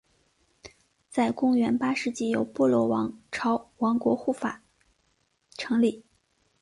在公元八世纪由波罗王朝国王护法成立。